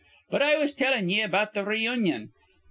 "But I was tellin' ye about th' reunion.